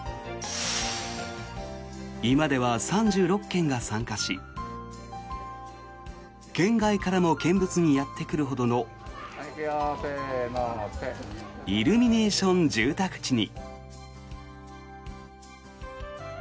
今では３６軒が参加し県外からも見物にやってくるほどのイルミネーション住宅地に。